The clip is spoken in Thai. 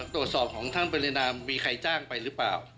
ตรวจสอบของท่านปรินามีใครจ้างไปหรือเปล่า